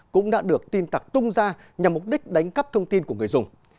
cũng đã được tin tặc tung ra nhằm mục đích đánh cắp thông tin của người dùng